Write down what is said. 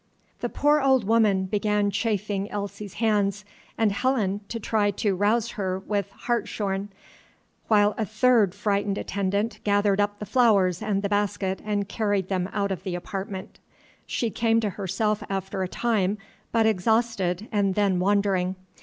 The poor old woman began chafing Elsie's hands, and Helen to try to rouse her with hartshorn, while a third frightened attendant gathered up the flowers and the basket and carried them out of the apartment, She came to herself after a time, but exhausted and then wandering.